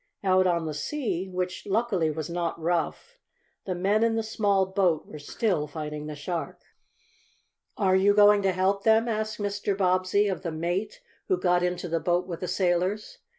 Out on the sea, which, luckily, was not rough, the men in the small boat were still fighting the shark. "Are you going to help them?" asked Mr. Bobbsey of the mate who got into the boat with the sailors.